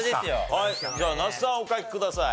はいじゃあ那須さんお書きください。